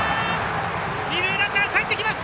二塁ランナーかえってきます。